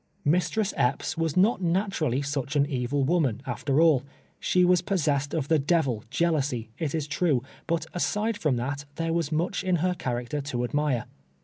Mistress Epps was not naturally such an evil wo man, after all. She was possessed of the devil, jeal ousy, it is true, but aside from that, there was much in her character to admire.